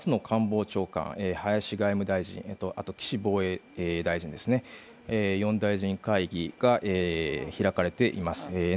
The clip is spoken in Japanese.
官房長官林外務大臣、あと岸防衛大臣４大臣会議が開かれています。